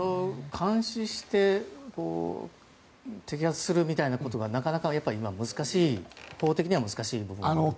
監視して摘発するみたいなことがなかなか今法的には難しい部分ですか？